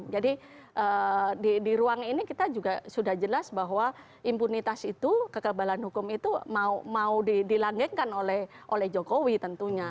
jadi di ruang ini kita juga sudah jelas bahwa impunitas itu kekebalan hukum itu mau dilanggengkan oleh jokowi tentunya